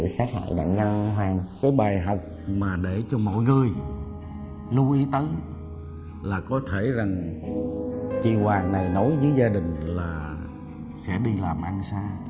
sáng hôm đó là tôi tử cho hai tẩu tinh sát